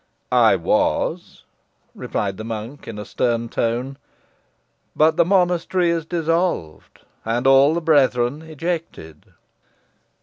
"I was," replied the monk, in a stern tone; "but the monastery is dissolved, and all the brethren ejected."